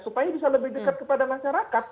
supaya bisa lebih dekat kepada masyarakat